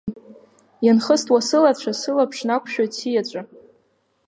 Ианхыстуа сылацәа, сылаԥш нақәшәоит сиаҵәа.